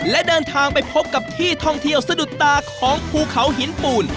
และเดินทางไปพบกับที่ท่องเที่ยวสะดุดตาของภูเขาหินปูน